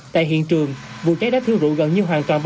tại hiện trường vụ cháy đã thiêu rụ gần như hoàn toàn